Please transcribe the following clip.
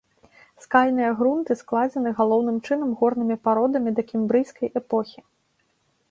Скальныя грунты складзены галоўным чынам горнымі пародамі дакембрыйскай эпохі.